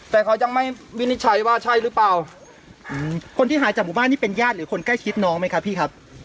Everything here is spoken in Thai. แต่เขายังไม่วินิจฉัยว่าใช่หรือเปล่าคนที่หายจากหมู่บ้านนี่เป็นญาติหรือคนใกล้ชิดน้องไหมครับพี่ครับ